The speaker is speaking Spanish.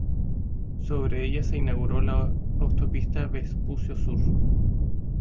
Sobre ella se inauguró la autopista Vespucio Sur.